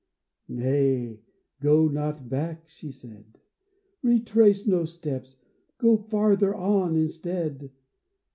"Nay, go not back," she said ; "Retrace no steps. Go farther on instead."